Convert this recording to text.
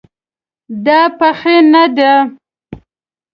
دا پخې نه ده